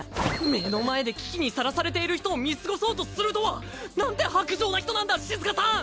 目の前で危機にさらされている人を見過ごそうとするとはなんて薄情な人なんだシズカさん！